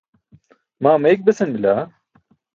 maa meyik besan bila.